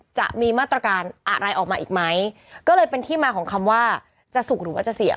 จะมีมาตรการอะไรออกมาอีกไหมก็เลยเป็นที่มาของคำว่าจะสุกหรือว่าจะเสี่ยง